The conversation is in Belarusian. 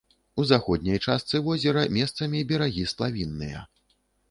У заходняй частцы возера месцамі берагі сплавінныя.